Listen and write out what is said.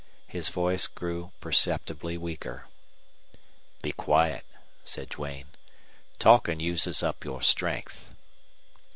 His voice grew perceptibly weaker. "Be quiet," said Duane. "Talking uses up your strength."